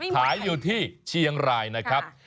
ขายอยู่ที่เชียงรายนะครับ